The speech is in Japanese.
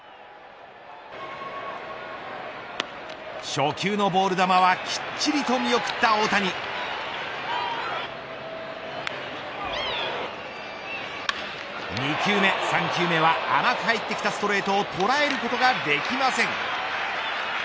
初球のボール球はきっちりと見送った大谷２球目３球目は甘く入ってきたストレートを捉えることができません。